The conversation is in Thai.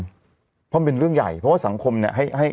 เพราะมันเป็นเรื่องใหญ่เพราะว่าสังคมเนี่ย